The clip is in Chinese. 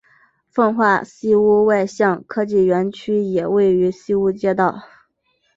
奉化西坞外向科技园区也位于西坞街道。